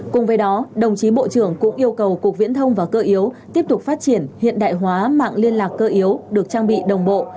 cùng với đó đồng chí bộ trưởng cũng yêu cầu cục viễn thông và cơ yếu tiếp tục phát triển hiện đại hóa mạng liên lạc cơ yếu được trang bị đồng bộ